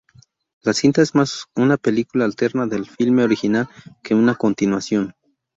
La cinta es más una película alterna del filme original, que una continuación.